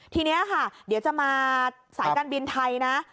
ทีนี้ค่ะเดี๋ยวจะมาสายการบินไทยนะ